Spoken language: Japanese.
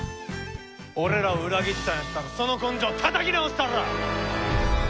俺らを裏切ったんやったらその根性たたき直したるわ！